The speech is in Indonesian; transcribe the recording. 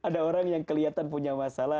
ada orang yang kelihatan punya masalah